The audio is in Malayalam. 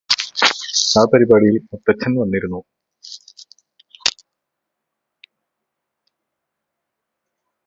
ആ പരിപാടിയില് മുത്തച്ഛന് വന്നിരുന്നു